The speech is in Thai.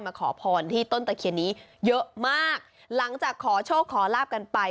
ขอพรที่ต้นตะเคียนนี้เยอะมากหลังจากขอโชคขอลาบกันไป